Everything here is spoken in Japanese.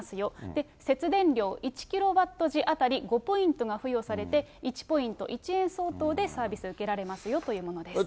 で、節電量１キロワット時当たり５ポイントが付与されて、１ポイント１円相当でサービス受けられますよというものです。